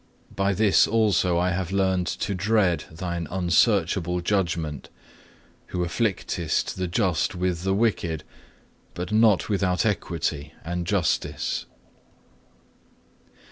By this also I have learned to dread Thine unsearchable judgment, who afflictest the just with the wicked, but not without equity and justice.